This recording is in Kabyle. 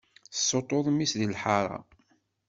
Tessuṭṭuḍ mmi-s di lḥaṛa.